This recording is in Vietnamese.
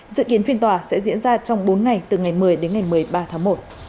dự kiến phiên tòa sẽ diễn ra trong bốn ngày từ ngày một mươi đến ngày một mươi ba tháng một